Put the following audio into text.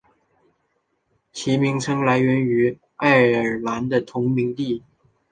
其名称来源于爱尔兰的同名地。